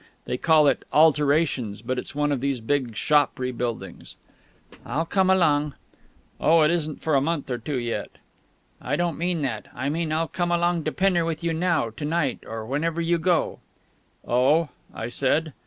They call it 'alterations,' but it's one of these big shop rebuildings." "I'll come along." "Oh, it isn't for a month or two yet." "I don't mean that. I mean I'll come along to Pinner with you now, to night, or whenever you go." "Oh!" I said.